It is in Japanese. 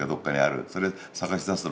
それ探し出すの面白い。